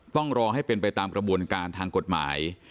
ต้องรอให้เป็นไปตามกระบวนการทางกฎหมาย